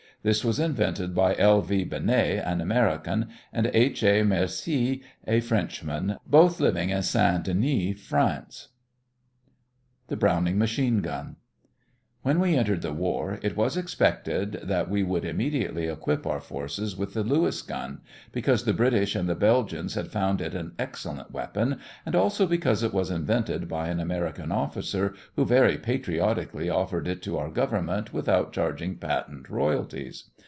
This was invented by L. V. Benèt, an American, and H. A. Mercié, a Frenchman, both living in St. Denis, France. THE BROWNING MACHINE GUN When we entered the war, it was expected that we would immediately equip our forces with the Lewis gun, because the British and the Belgians had found it an excellent weapon and also because it was invented by an American officer, who very patriotically offered it to our government without charging patent royalties.